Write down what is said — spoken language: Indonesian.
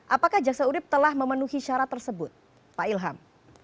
apakah jaksa urib telah memenuhi syarat tersebut pak ilham